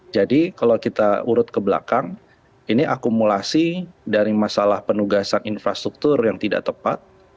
jadi kalau kita urut ke belakang ini akumulasi dari masalah penugasan infrastruktur yang tidak tepat